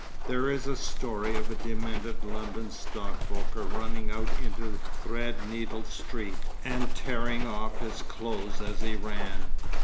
There is a story of a demented London stockbroker running out into Threadneedle Street and tearing off his clothes as he ran.